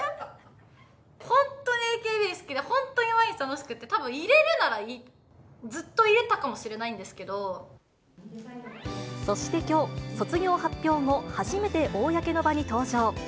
本当にＡＫＢ好きで、本当に毎日楽しくって、たぶん、いれるならずっといれたかもしれそしてきょう、卒業発表後初めて公の場に登場。